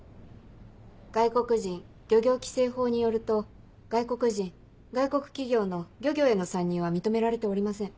外国人漁業規制法によると外国人外国企業の漁業への参入は認められておりません。